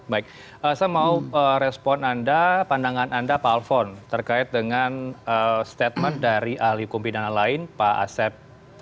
baik saya mau respon anda pandangan anda pak alfon terkait dengan statement dari ahli hukum pidana lain pak asep